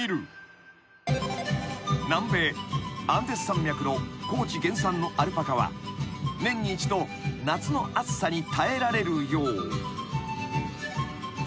［南米アンデス山脈の高地原産のアルパカは年に一度夏の暑さに耐えられるよう］